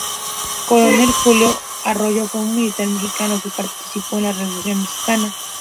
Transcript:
Coronel Julio C. Arroyo fue un militar mexicano que participó en la Revolución mexicana.